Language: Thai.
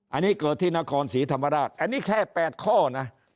อันนี้เกิดที่นครศรีธรรมราชอันนี้แค่๘ข้อนะ